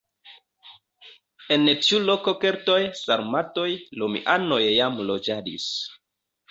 En tiu loko keltoj, sarmatoj, romianoj jam loĝadis.